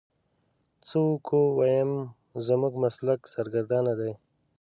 څه وکو ويم زموږ مسلک سرګردانه دی.